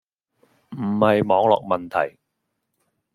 唔係網絡問題